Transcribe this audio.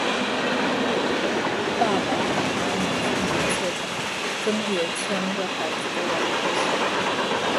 爸爸和妈妈分别牵着孩子的两只手